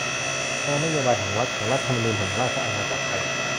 แนวนโยบายแห่งรัฐของรัฐธรรมนูญแห่งราชอาณาจักรไทย